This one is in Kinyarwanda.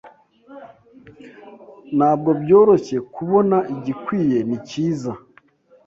ntabwo byoroshye kubona igikwiye nicyiza.